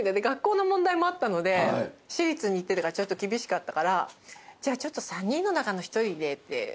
学校の問題もあったので私立に行ってたからちょっと厳しかったからじゃあ３人の中の１人でって。